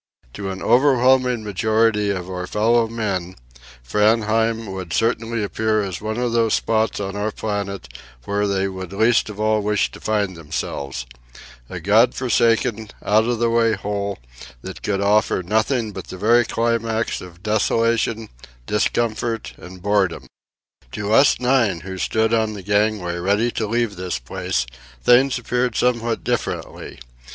To an overwhelming majority of our fellow men Framheim will certainly appear as one of those spots on our planet where they would least of all wish to find themselves a God forsaken, out of the way hole that could offer nothing but the very climax of desolation, discomfort, and boredom. To us nine, who stood on the gangway ready to leave this place, things appeared somewhat differently.